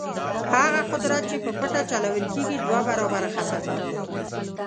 هغه قدرت چې په پټه چلول کېږي دوه برابره خطرناک دی.